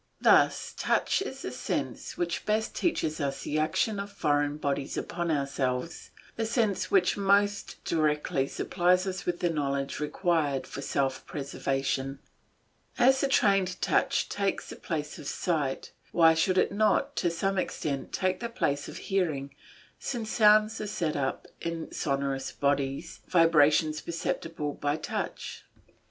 Thus touch is the sense which best teaches us the action of foreign bodies upon ourselves, the sense which most directly supplies us with the knowledge required for self preservation. As the trained touch takes the place of sight, why should it not, to some extent, take the place of hearing, since sounds set up, in sonorous bodies, vibrations perceptible by touch?